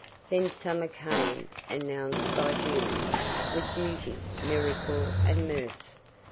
Then summer came, announced by June, With beauty, miracle and mirth.